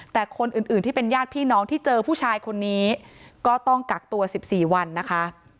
แต่คนอื่นที่เป็นญาติพี่น้องที่เจอผู้ชายคนนี้ก็ต้องกักตัว๑๔วันนะคะ